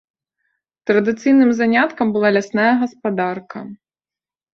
Традыцыйным заняткам была лясная гаспадарка.